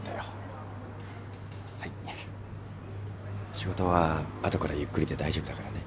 仕事は後からゆっくりで大丈夫だからね。